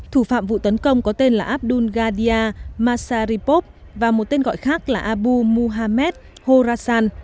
thủ phạm vụ tấn công có tên là abdul gadia masaripov và một tên gọi khác là abu muhammad horasan